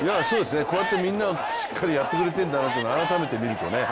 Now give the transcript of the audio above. こうやってみんながしっかりやってくれてるんだなと改めて見るとね。